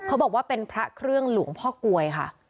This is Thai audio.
เขาบอกว่าเป็นพระเครื่องหลวงพ่อกลวยค่ะ